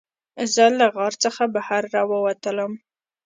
زه له غار څخه بهر راووتلم.